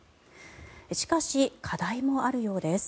しかし、課題もあるようです。